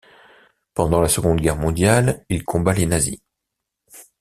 Pendant la Seconde Guerre mondiale, il combat les nazis.